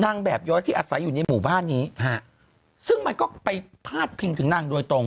แบบย้อยที่อาศัยอยู่ในหมู่บ้านนี้ฮะซึ่งมันก็ไปพาดพิงถึงนางโดยตรง